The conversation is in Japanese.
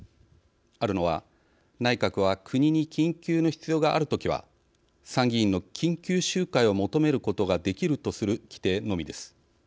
あるのは「内閣は国に緊急の必要があるときは参議院の緊急集会を求めることができる」とする規定のみです。